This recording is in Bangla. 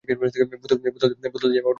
বোতল দিয়ে মার।